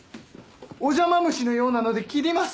お邪魔虫のようなので切ります。